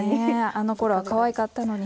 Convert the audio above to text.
あのころはかわいかったのに。